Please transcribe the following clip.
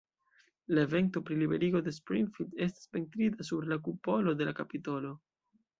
La evento pri liberigo de Springfield estas pentrita sur la kupolo de la kapitolo.